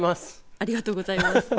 ありがとうございます。